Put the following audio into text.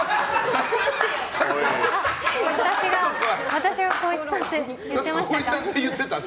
私が浩市さんって言ってましたか。